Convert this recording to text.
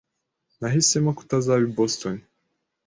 Nahisemo kutazaba i Boston.